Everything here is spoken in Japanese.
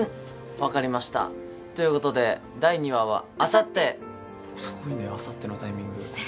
分かりましたということで第２話はあさってすごいね「あさって」のタイミング